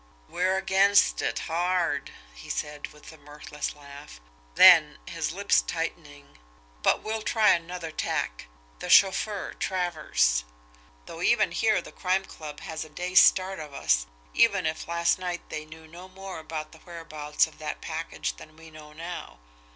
"We're against it HARD!" he said, with a mirthless laugh. Then, his lips tightening: "But we'll try another tack the chauffeur Travers. Though even here the Crime Club has a day's start of us, even if last night they knew no more about the whereabouts of that package than we know now.